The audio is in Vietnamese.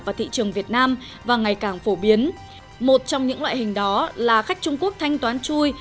vào thị trường việt nam và ngày càng phổ biến một trong những loại hình đó là khách trung quốc thanh toán chui